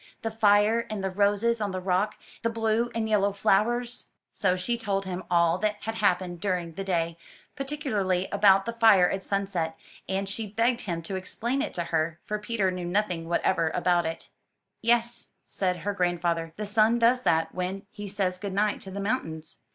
The fire, and the roses on the rock, the blue and yellow flowers." 291 MY BOOK HOUSE So she told him all that had happened during the day; particularly about the fire at sunset, and she begged him to explain it to her, for Peter knew nothing whatever about it. Yes,'* said her grandfather, '*the sun does that when he says good night to the mountains.